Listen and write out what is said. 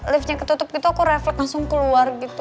liftnya ketutup gitu aku refleks langsung keluar gitu